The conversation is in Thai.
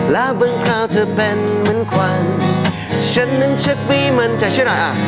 และบางคราวเธอเป็นเหมือนขวัญฉันนั้นฉักวิมันใจ